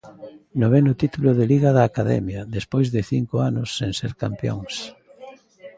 Noveno título de Liga da Academia, despois de cinco anos sen ser campións.